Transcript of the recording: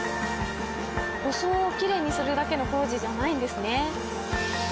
装をきれいにするだけの工事じゃないんですね。